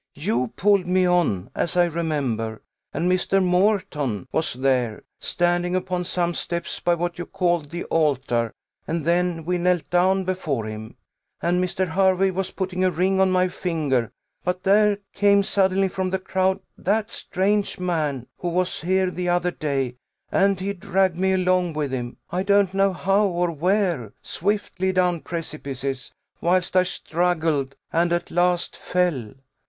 You pulled me on, as I remember; and Mr. Moreton was there, standing upon some steps by what you called the altar; and then we knelt down before him, and Mr. Hervey was putting a ring on my finger; but there came suddenly from the crowd that strange man, who was here the other day, and he dragged me along with him, I don't know how or where, swiftly down precipices, whilst I struggled, and at last fell.